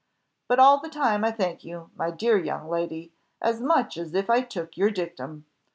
But all the time I thank you, my dear young lady, as much as if I took your dictum.